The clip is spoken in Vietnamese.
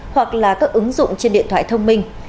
hoặc là các ứng dụng trên điện thoại thông minh